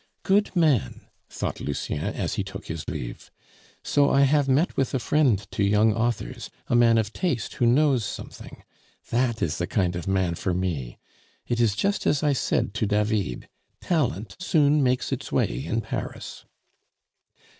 "Good man!" thought Lucien, as he took his leave. "So I have met with a friend to young authors, a man of taste who knows something. That is the kind of man for me! It is just as I said to David talent soon makes its way in Paris."